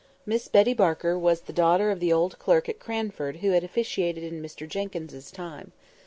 Miss Betty Barker was the daughter of the old clerk at Cranford who had officiated in Mr Jenkyns's time.